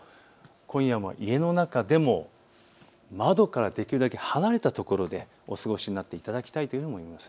今夜は家の中でも窓からできるだけ離れた所でお過ごしになっていただきたいと思います。